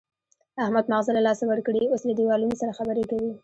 احمد ماغزه له لاسه ورکړي، اوس له دېوالونو سره خبرې کوي.